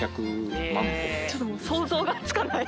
想像がつかない！